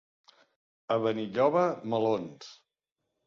A Benilloba, melons.